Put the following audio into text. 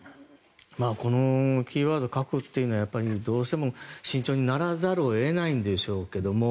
このキーワード核というものは慎重にならざるを得ないんでしょうけど。